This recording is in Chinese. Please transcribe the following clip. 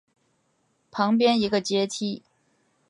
旁边一个阶梯